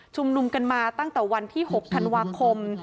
นุมกันมาตั้งแต่วันที่๖ธันวาคม